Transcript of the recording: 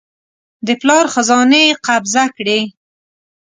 د پلار خزانې یې قبضه کړې.